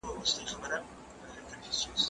زه هره ورځ لاس پرېولم.